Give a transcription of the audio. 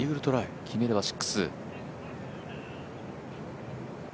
決めれば６。